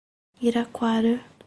Iraquara